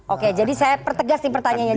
oke jadi saya pertegas nih pertanyaannya